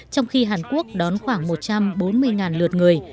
trong khi hàn quốc đón khoảng một trăm bốn mươi lượt người